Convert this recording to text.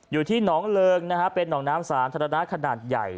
อยู่ที่หนองเริงนะฮะเป็นหนองน้ำสาธารณะขนาดใหญ่